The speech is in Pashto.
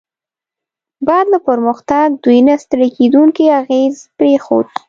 بعد له پرمختګ، دوی نه ستړي کیدونکی اغېز پرېښود.